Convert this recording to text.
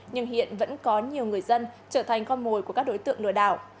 nhưng hiện vẫn có nhiều người dân trở thành con mồi của các đối tượng lừa đảo